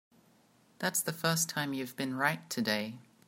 That's the first time you've been right today.